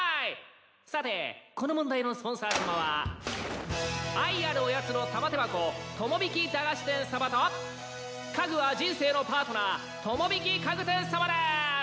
さてこの問題のスポンサーさまは愛あるおやつの玉手箱友引駄菓子店さまと家具は人生のパートナー友引家具店さまでーす！